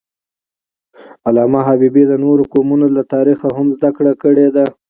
علامه حبیبي د نورو قومونو له تاریخه هم زدهکړه کړې ده.